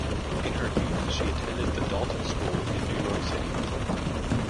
In her youth she attended the Dalton School in New York City.